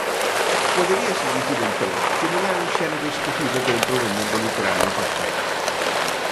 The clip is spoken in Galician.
Poderíase dicir entón que non é un xénero esquecido dentro do mundo literario infantil.